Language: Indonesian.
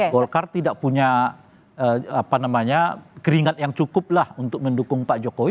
golkar tidak punya keringat yang cukup lah untuk mendukung pak jokowi